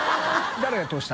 誰が通した？